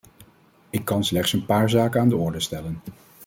Ik kan slechts een paar zaken aan de orde stellen.